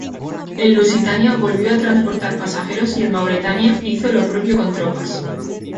El "Lusitania" volvió a transportar pasajeros y el "Mauretania" hizo lo propio con tropas.